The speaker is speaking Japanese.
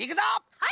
はい！